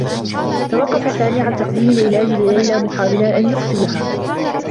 توقّف سامي عن تقديم العلاج لليلى، محاولا أن يقتلها.